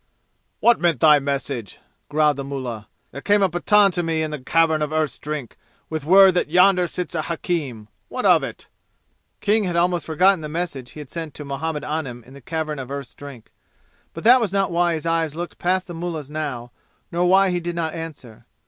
"What meant thy message?" growled the mullah. "There came a Pathan to me in the Cavern of Earth's Drink with word that yonder sits a hakim. What of it?" King had almost forgotten the message he had sent to Muhammad Anim in the Cavern of Earth's Drink. But that was not why his eyes looked past the mullah's now, nor why he did not answer.